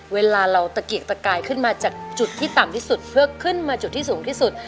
เวลาเราตะเกียกตะกายขึ้นมาจากจุดที่ต่ำที่สุดเพื่อขึ้นมาจุดที่สูงที่สุด